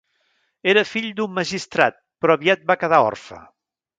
Era fill d'un magistrat però aviat va quedar orfe.